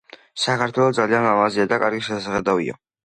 საქართველო ძალიან ლამაზია და კარგი შესახედავია